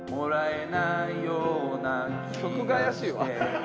曲が怪しいわ。